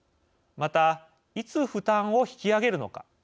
また、いつ負担を引き上げるのか。